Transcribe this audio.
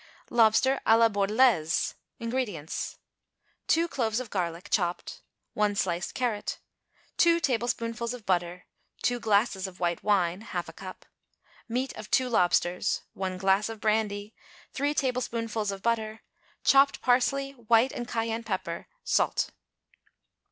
=Lobster à la Bordelaise.= INGREDIENTS. 2 cloves of garlic, chopped. 1 sliced carrot. 2 tablespoonfuls of butter. 2 glasses of white wine (half a cup). Meat of 2 lobsters. 1 glass of brandy. 3 tablespoonfuls of butter. Chopped parsley, white and cayenne pepper, salt.